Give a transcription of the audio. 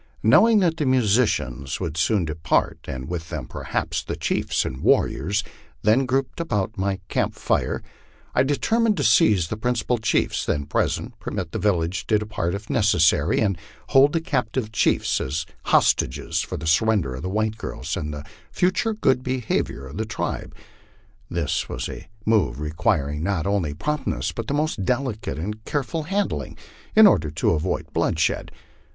Knowing that the musicians would soon depart, and with them perhaps the chiefs and warriors then grouped about my camp fire, I determined to seize the principal chiefs then present, permit the village to depart if necessa ry, and hold the captured chiefs as hostages for the surrender of the white girls and the future good behavior of the tribe. This was a move requiring not only promptness but most delicate and careful handling, in order to avoid bloodshed.